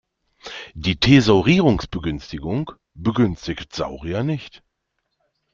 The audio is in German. Die Thesaurierungsbegünstigung begünstigt Saurier nicht.